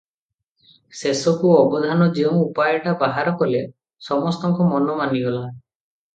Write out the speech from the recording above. ଶେଷକୁ ଅବଧାନ ଯେଉଁ ଉପାୟଟା ବାହାର କଲେ, ସମସ୍ତଙ୍କ ମନ ମାନିଗଲା ।